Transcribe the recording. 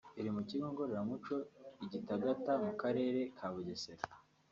iri mu kigo ngororamuco i Gitagata mu karere ka Bugesera